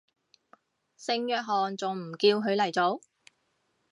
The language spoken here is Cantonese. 聖約翰仲唔叫佢嚟做